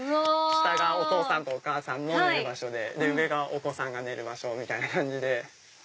下がお父さんとお母さんの寝る場所で上がお子さんが寝る場所みたいな感じで。